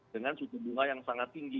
dengan suku bunga yang sangat tinggi